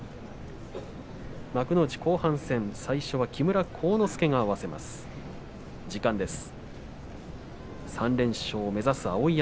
幕内後半戦最初は木村晃之助が合わせます。